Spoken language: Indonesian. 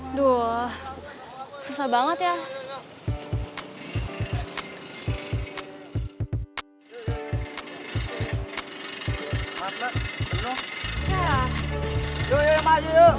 aduh susah banget ya